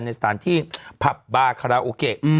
ในสถานที่ผับบาคาราโอเกะ